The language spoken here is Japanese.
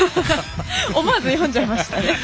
思わず読んじゃいました。